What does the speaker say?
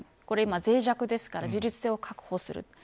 これ脆弱ですから自立性を確保する。